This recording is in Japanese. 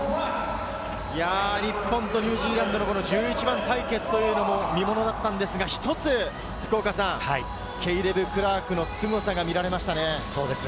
日本とニュージーランドの１１番対決も見ものだったのですが、一つ、ケイレブ・クラークのすごさが見られましたね。